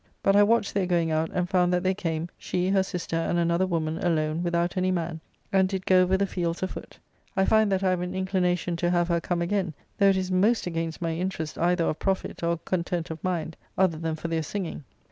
But I watched their going out and found that they came, she, her sister and another woman, alone, without any man, and did go over the fields a foot. I find that I have an inclination to have her come again, though it is most against my interest either of profit or content of mind, other than for their singing.